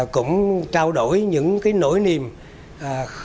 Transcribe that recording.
cũng trao đổi những nỗi niềm của mình